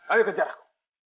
ayo kejar aku